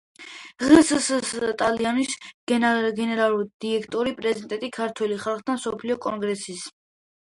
ღსს „ტალიონის“ გენერალური დირექტორი, პრეზიდენტი ქართველ ხალხთა მსოფლიო კონგრესის.